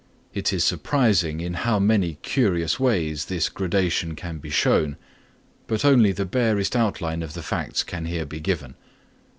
It is surprising in how many curious ways this gradation can be shown; but only the barest outline of the facts can here be given.